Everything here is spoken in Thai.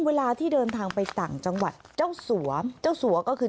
เวลาที่เดินทางไปต่างจังหวัดเจ้าสัวเจ้าสัวก็คือ